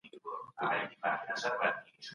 د روښانیانو جنګي کارنامې د خپل نوعیت له امله.